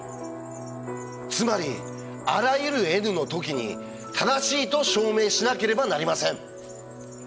つまりあらゆるｎの時に正しいと証明しなければなりません。